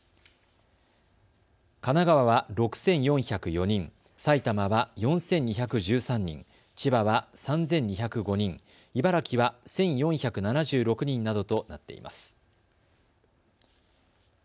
神奈川は６４０４人、埼玉は４２１３人、千葉は３２０５人、茨城は１４７６人などとなっています。